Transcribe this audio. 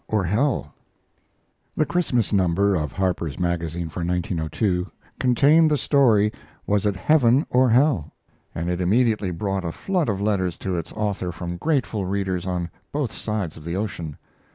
OR HELL?" The Christmas number of Harper's Magazine for 1902 contained the story, "Was it Heaven? or Hell?" and it immediately brought a flood of letters to its author from grateful readers on both sides of the ocean.